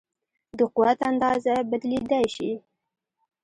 د قوت اندازه بدلېدای شي.